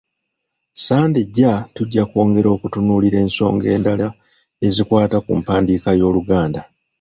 Ssande ejja tujja kweyongera okutunuulira ensonga endala ezikwata ku mpandiika y'Oluganda.